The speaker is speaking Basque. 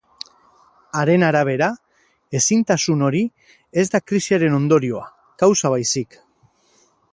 Haren arabera, ezintasun hori ez da krisiaren ondorioa kausa baizik.